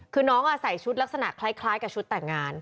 คือน้องใส่ชุดลักษณะคล้ายกับชุดแต่งงาน